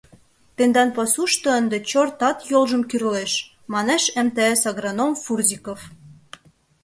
«Тендан пасушто ынде «чортат» йолжым кӱрлеш», — манеш МТС агроном Фурзиков.